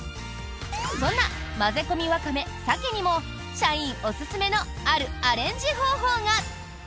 そんな「混ぜ込みわかめ鮭」にも社員おすすめのあるアレンジ方法が。